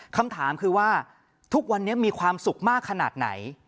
คำถามคือว่าทุกวันนี้มีความสุขมากขนาดไหน